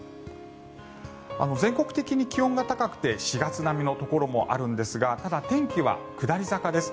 全国的に気温が高くて４月並みのところもあるんですがただ、天気は下り坂です。